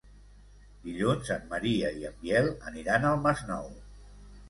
Dilluns en Maria i en Biel aniran al Masnou.